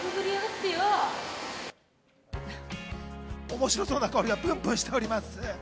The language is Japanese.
面白そうな空気がプンプンしています。